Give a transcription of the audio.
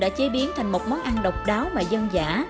đã chế biến thành một món ăn độc đáo và dân dã